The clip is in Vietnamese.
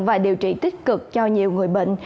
và điều trị tích cực cho nhiều người bệnh